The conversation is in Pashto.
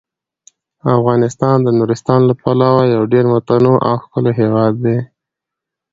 افغانستان د نورستان له پلوه یو ډیر متنوع او ښکلی هیواد دی.